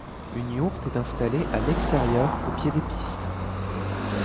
Une yourte est installée à l'extérieur au pied des pistes.